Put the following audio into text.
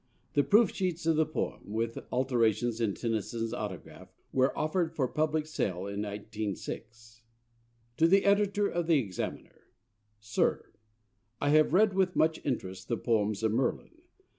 The proof sheets of the poem, with alterations in Tennyson's autograph, were offered for public sale in 1906.] To the Editor of The Examiner. SIR, I have read with much interest the poems of Merlin.